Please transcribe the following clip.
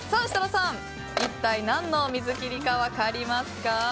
設楽さん、一体何の水きりか分かりますか？